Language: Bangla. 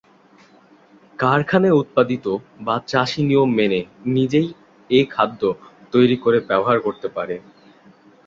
কারখানায় উৎপাদিত বা চাষী নিয়ম মেনে নিজেই এ খাদ্য তৈরি করে ব্যবহার করতে পারে।